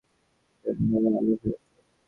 ভিতরের আকাশ আলো হয়ে উঠল।